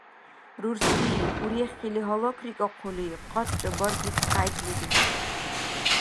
Рурси, урехили гьалакрикӀахъули, къача баргес къяйцӀлири.